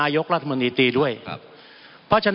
มันมีมาต่อเนื่องมีเหตุการณ์ที่ไม่เคยเกิดขึ้น